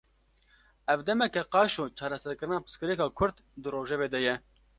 Ev demeke, qaşo çareserkirina pirsgirêka Kurd, di rojevê de ye